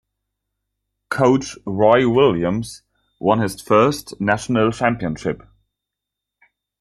Coach Roy Williams won his first national championship.